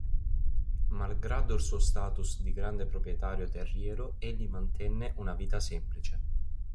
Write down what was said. Malgrado il suo status di grande proprietario terriero, egli mantenne una vita semplice.